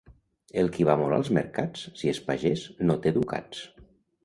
El qui va molt als mercats, si és pagès, no té ducats.